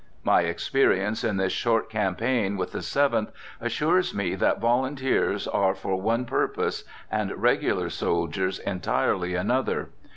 My experience in this short campaign with the Seventh assures me that volunteers are for one purpose and regular soldiers entirely another.